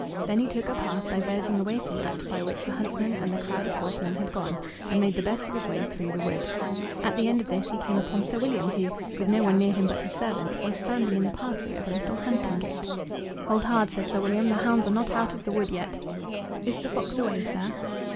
Then he took a path diverging away from that by which the huntsmen and the crowd of horsemen had gone, and made the best of his way through the wood. At the end of this he came upon Sir William, who, with no one near him but his servant, was standing in the pathway of a little hunting gate. "Hold hard," said Sir William. "The hounds are not out of the wood yet." "Is the fox away, sir?"